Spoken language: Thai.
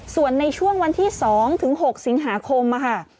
ส่วนในช่วงวันที่๒ถึง๖สิงหาคมค่ะ